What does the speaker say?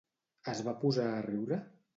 Es va posar a riure?